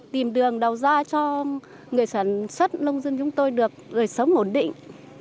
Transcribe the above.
tìm đường đầu ra cho người sản xuất nông dân chúng tôi được đời sống ổn định